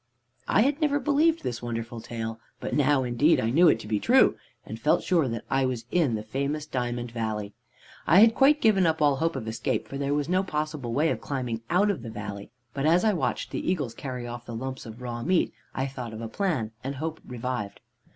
"I had never believed this wonderful tale, but now indeed I knew it to be true, and felt sure that I was in the famous Diamond Valley. "I had quite given up all hope of escape, for there was no possible way of climbing out of the valley, but as I watched the eagles carry off the lumps of raw meat, I thought of a plan, and hope revived.